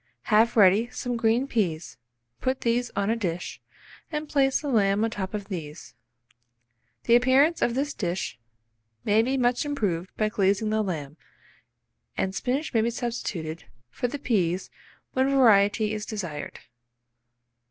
Have ready some green peas, put these on a dish, and place the lamb on the top of these. The appearance of this dish may be much improved by glazing the lamb, and spinach may be substituted for the peas when variety is desired.